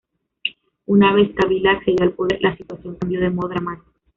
Una vez Kabila accedió al poder, la situación cambió de modo dramático.